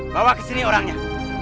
bawa ke sini orangnya